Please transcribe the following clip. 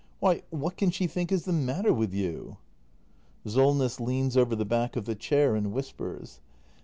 Why, what can she think is the matter with you ? SOLNESS. [Leans over the back of the chair and whispers.